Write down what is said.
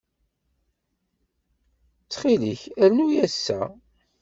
Ttxil-k, rnu ass-a.